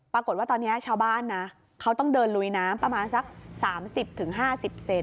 ปรากฏว่าตอนเนี้ยชาวบ้านนะเขาต้องเดินลุยน้ำประมาณสักสามสิบถึงห้าสิบเซน